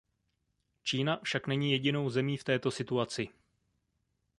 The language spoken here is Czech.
Čína však není jedinou zemí v této situaci.